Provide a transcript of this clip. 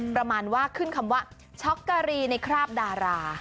ประมาณว่าขึ้นคำว่าช็อกการีในคราบดารา